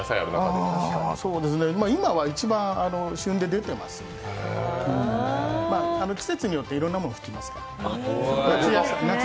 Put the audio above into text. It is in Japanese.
今は一番旬で出てますので季節によっていろんなもの吹きますから。